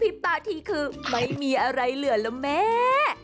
ตาทีคือไม่มีอะไรเหลือแล้วแม่